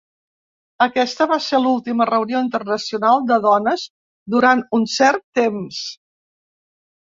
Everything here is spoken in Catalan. Aquesta va ser l'última reunió internacional de dones durant un cert temps.